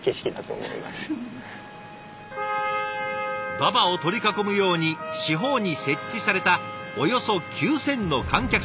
馬場を取り囲むように四方に設置されたおよそ９，０００の観客席。